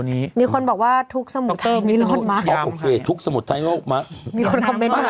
มีคนบอกว่าถูกสมุดไทรในโลกมาก